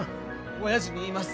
おやじに言います